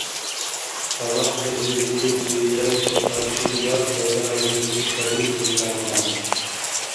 Къабакълизи бикибси изайчи къаршилира пайдалабируси саби ил дарман.